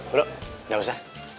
bro gak usah